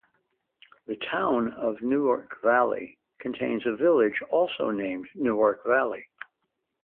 The Town of Newark Valley contains a village also named Newark Valley.